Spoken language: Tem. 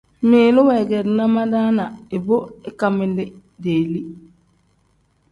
Ngmiilu weegeerina madaana ibo ikangmiili deeli.